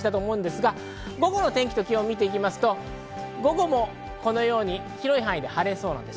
午後の天気と気温を見ていきますと、午後もこのように広い範囲で晴れそうです。